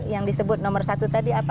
yang disebut nomor satu tadi apa